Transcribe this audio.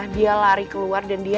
dia lari keluar dan dia